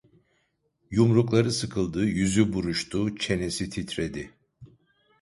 Yumrukları sıkıldı, yüzü buruştu, çenesi titredi.